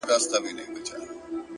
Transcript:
ستا د هغې ورځې! د هغې خندا! هغه تاثير!